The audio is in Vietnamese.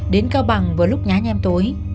đến cao bằng vừa lúc nhá nhem tối